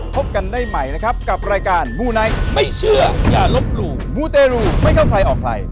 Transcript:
พบกันได้ใหม่นะครับกับรายการมูไนท์ไม่เชื่ออย่าลบหลู่มูเตรูไม่เข้าใครออกใคร